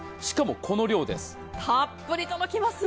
しかもこの量です。